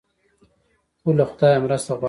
خو له خدایه مرسته غواړم.